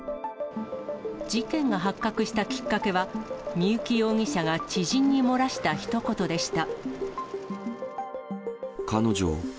事件が発覚したきっかけは、三幸容疑者が知人に漏らしたひと言でした。